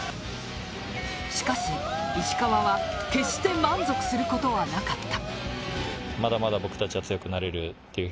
しかし、石川は決して満足することはなかった。